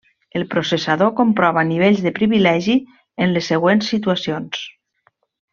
El processador comprova nivells de privilegi en les següents situacions.